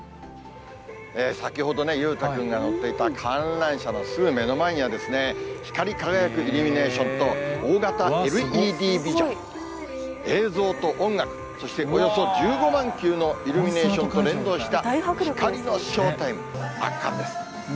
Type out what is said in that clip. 先ほど、裕太君が乗っていた観覧車のすぐ目の前には、光り輝くイルミネーションと、大型ＬＥＤビジョン。映像と音楽、そしておよそ１５万球のイルミネーションと連動した光のショータイム、圧巻です。